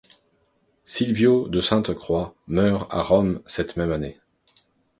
Silvio de Sainte-Croix meurt à Rome cette même année.